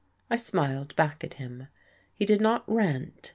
I smiled back at him.... He did not rant.